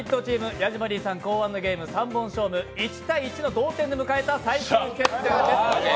ヤジマリーさん考案のゲーム３本勝負１−１の同点で迎えた最終決戦です。